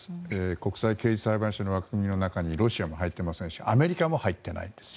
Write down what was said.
国際刑事裁判所の枠組みの中にロシアも入っていませんしアメリカも入っていないんです。